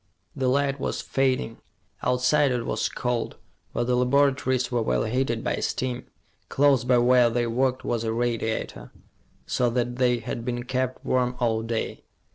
The light was fading. Outside, it was cold, but the laboratories were well heated by steam. Close by where they worked was a radiator, so that they had been kept warm all day.